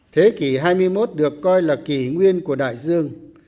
thế kỷ hai mươi một được coi là kỷ nguyên của đại dương